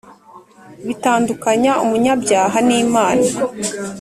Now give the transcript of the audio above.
bitandukanya umunyabyaha n'Imana,